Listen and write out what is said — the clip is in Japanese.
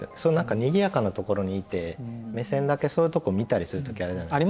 にぎやかなところにいて目線だけそういうとこ見たりする時あるじゃないですか。